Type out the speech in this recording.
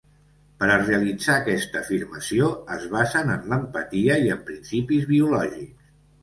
Per a realitzar aquesta afirmació es basen en l'empatia i en principis biològics.